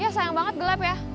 ya sayang banget gelap ya